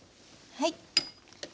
はい。